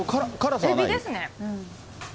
エビですね。